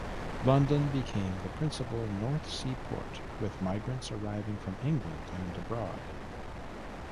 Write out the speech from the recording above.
London became the principal North Sea port, with migrants arriving from England and abroad.